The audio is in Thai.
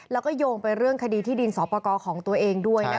แล้วก็โยงไปเรื่องคดีที่ดินสอปกรของตัวเองด้วยนะคะ